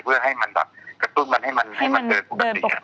เพื่อให้มันแบบกระตุ้นมันให้มันให้มันเดินปกติ